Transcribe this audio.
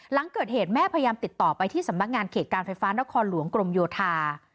หลังเกิดเหตุแม่พยายามติดต่อไปที่สำนักงานเขตการไฟฟ้านครหลวงกรมโยธา